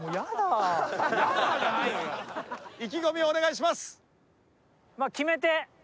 意気込みをお願いします。